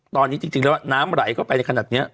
ตอนนี้จริงแล้วน้ำไหลในขนาดนี้